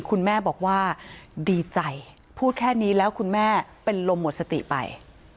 คุณแม่บอกว่าดีใจพูดแค่นี้แล้วคุณแม่เป็นลมหมดสติไป